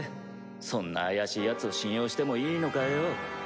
そんな怪しいヤツを信用してもいいのかよ？